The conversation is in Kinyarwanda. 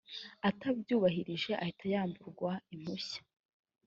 atabyubahirije ahita yamburwa impushya